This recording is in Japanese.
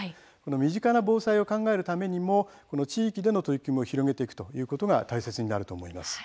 身近な防災を考えるために地域での取り組みを広げることが大切になると思います。